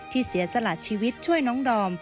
เสียสละชีวิตช่วยน้องดอม